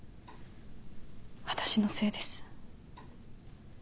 私のせいです。